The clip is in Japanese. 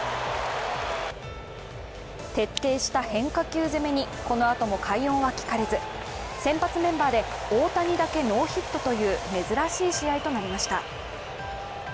徹底した変化球攻めにこのあとも快音は聞かれず先発メンバーで大谷だけノーヒットという珍しい試合となりました。